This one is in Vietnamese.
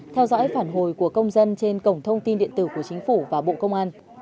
theo dõi phản hồi của công dân trên cổng thông tin điện tử của chính phủ và bộ công an